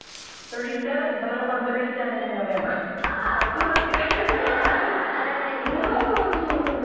この１１月で３７年目になる。ウゥ。